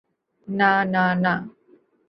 না, না, না!